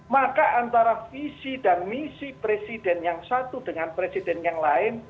maka antara visi dan misi presiden yang satu dengan presiden yang lain